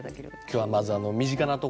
今日はまず身近なところから。